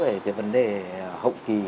về cái vấn đề hậu kỳ